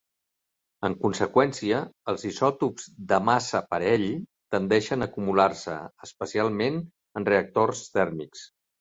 En conseqüència, els isòtops de massa parell tendeixen a acumular-se, especialment en reactors tèrmics.